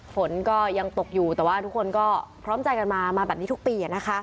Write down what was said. ฝนก็ยังตกอยู่แต่ว่าทุกคนก็พร้อมใจกันมามาแบบนี้ทุกปี